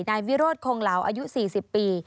นายวิโรธคงเหลาอายุ๔๐ปี